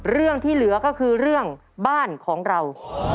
เรื่องที่เหลือก็คือเรื่องบ้านของเรา